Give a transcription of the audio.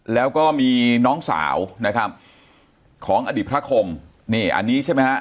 แล้วก็มีน้องสาวนะครับของอดีตพระคมนี่อันนี้ใช่ไหมฮะ